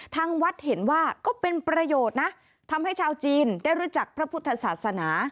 ทางวัดเห็นว่าก็เป็นประโยชน์นะทำให้ชาวจีนได้รู้จักพระพุทธศาสนา